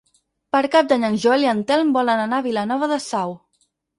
Per Cap d'Any en Joel i en Telm volen anar a Vilanova de Sau.